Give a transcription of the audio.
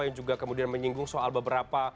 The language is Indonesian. yang juga kemudian menyinggung soal beberapa